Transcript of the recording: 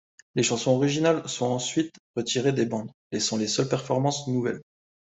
Les chansons originales sont ensuite retirées des bandes, laissant les seules performances nouvelles.